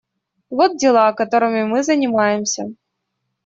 Вот дела, которыми мы занимаемся.